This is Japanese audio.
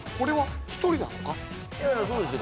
いやいやそうですよ